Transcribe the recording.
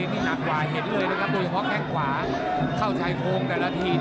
มีพวกแก้งขวาเข้าไชโครงแต่ละที